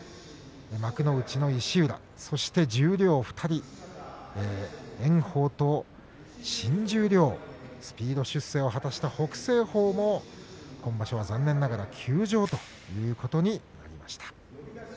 幕内の石浦、そして十両２人炎鵬と新十両スピード出世を果たした北青鵬も今場所は残念ながら休場です。